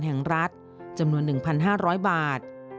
แห่งรัฐจำนวน๑๕๐๐บาท